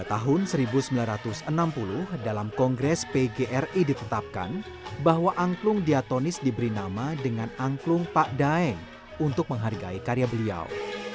tahun seribu sembilan ratus enam puluh dalam kongres pgri ditetapkan bahwa angklung diatonis diberi nama dengan angklung pak daeng untuk menghargai karya beliau